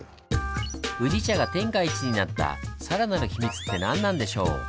宇治茶が天下一になった更なる秘密って何なんでしょう？